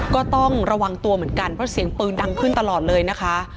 ก็ต้องระวังตัวเหมือนกันเพราะเสียงปืนดังขึ้นตลอดเลยนะคะ